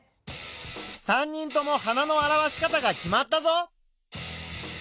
３人とも花の表し方が決まったぞ。